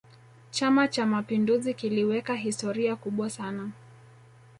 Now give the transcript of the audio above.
chama cha mapinduzi kiliweka historia kubwa sana